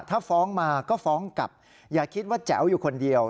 ถ้าฟ้องมาก็ฟ้องกลับอย่าคิดว่าแจ๋วอยู่คนเดียว